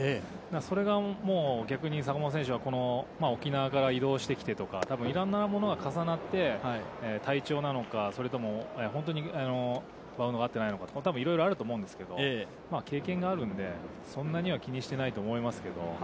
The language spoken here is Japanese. それがもう、坂本選手は、この沖縄から移動してきてとか、いろんなものが重なって、体調なのか、それとも本当にバウンドが合ってないとかいろいろあると思うんですけど、経験があるんで、そんなには気にしてないと思いますけど。